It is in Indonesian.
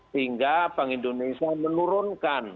sehingga bank indonesia menurunkan